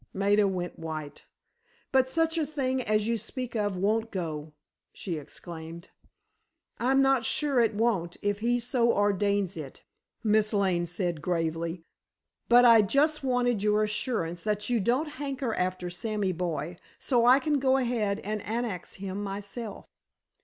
Maida went white. "But such a thing as you speak of won't go!" she exclaimed. "I'm not sure it won't, if he so ordains it," Miss Lane said, gravely. "But I just wanted your assurance that you don't hanker after Sammy boy, so I can go ahead and annex him myself."